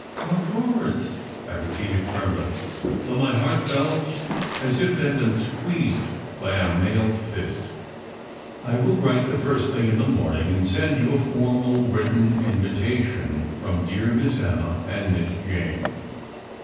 "Of course," I repeated firmly, though my heart felt as if it had been squeezed by a mailed fist. "I will write the first thing in the morning, and send you a formal, written invitation from dear Miss Emma and Miss Jane."